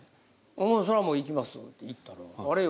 「そらもう行きます」って行ったらあれよ